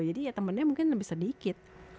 jadi ya temennya mungkin lebih sedikit